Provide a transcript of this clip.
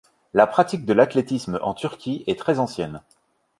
La pratique de l'athlétisme en Turquie est très ancienne.